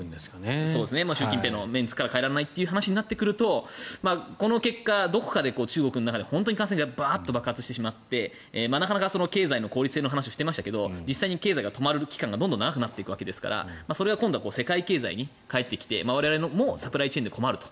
習近平さんのメンツから変えられないという話になってくるとどこかで中国の感染がバーッと爆発してしまってなかなか経済の効率性の話をしていましたが実際に経済が止まる期間が長くなってくるので世界経済に返ってきて我々、サプライチェーンで困ると。